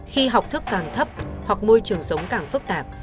khi học thức càng thấp hoặc môi trường sống càng phức tạp